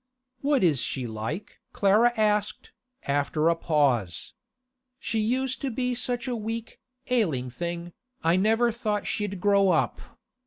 'What is she like?' Clara asked, after a pause. 'She used to be such a weak, ailing thing, I never thought she'd grow up.